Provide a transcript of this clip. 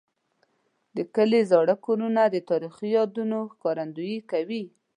د کلي زاړه کورونه د تاریخي یادونو ښکارندوي کوي.